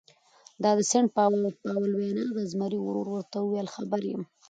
دا د سینټ پاول وینا ده، زمري ورو ورته وویل: خبر یم.